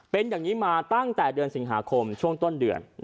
เป็นอย่างนี้มาตั้งแต่เดือนสิงหาคมช่วงต้นเดือน